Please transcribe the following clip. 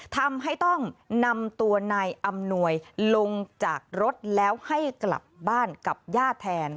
ทำให้ต้องนำตัวนายอำนวยลงจากรถแล้วให้กลับบ้านกับญาติแทน